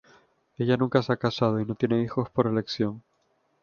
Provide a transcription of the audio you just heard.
Ella nunca se ha casado y no tiene hijos por elección.